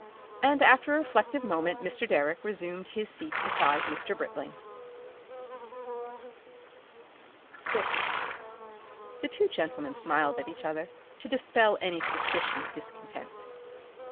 And after a reflective moment Mr. Direck resumed his seat beside Mr. Britling.... Section 6 The two gentlemen smiled at each other to dispel any suspicion of discontent.